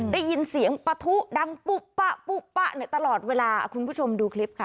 ได้ยินเสียงปะทุดังปุ๊ปะปุ๊บปะตลอดเวลาคุณผู้ชมดูคลิปค่ะ